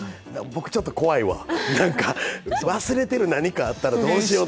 ちょっと怖いわ、忘れてる何かあったらどうしよう。